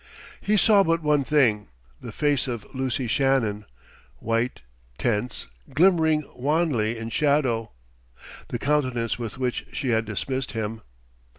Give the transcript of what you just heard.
He saw but one thing, the face of Lucy Shannon, white, tense, glimmering wanly in shadow the countenance with which she had dismissed him.